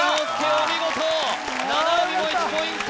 お見事七海も１ポイント